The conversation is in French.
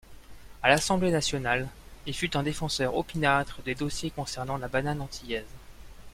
À l'Assemblée nationale, il fut un défenseur opiniâtre des dossiers concernant la banane antillaise.